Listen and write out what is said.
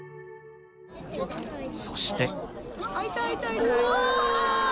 そして。